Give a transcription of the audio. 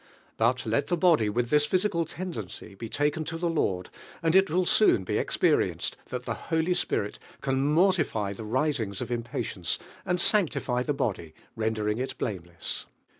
But let the body with (his physical tendency tie taken to the Lord, and it will sown be experienced (hat the Holy Spirit can mor tify the riflings of jiiipaiicnce, and sancti fy the body, rendering it blameless.